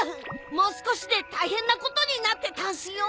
もう少しで大変なことになってたんすよ！